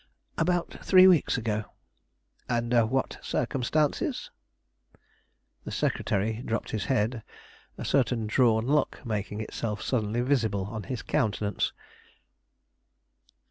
"About three weeks ago." "Under what circumstances?" The secretary dropped his head, a certain drawn look making itself suddenly visible on his countenance.